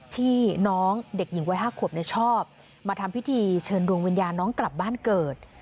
ที่น้องเด็กหญิงวัย๕ขวบชอบมาทำพิธีเชิญดวงวิญญาณน้องกลับบ้านเกิด